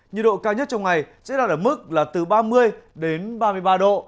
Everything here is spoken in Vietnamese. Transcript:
nhiệt độ cao nhất trong ngày sẽ đạt ở mức là từ ba mươi đến ba mươi ba độ